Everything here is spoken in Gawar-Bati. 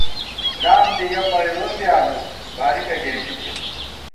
لام دی یَہ پئیرون بی آنُس بارِکہ گېنٹی تھنی